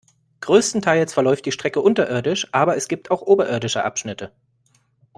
Größtenteils verläuft die Strecke unterirdisch, aber es gibt auch oberirdische Abschnitte.